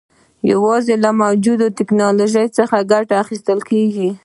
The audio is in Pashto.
یوازې له موجوده ټکنالوژۍ څخه ګټه اخیستل کېږي.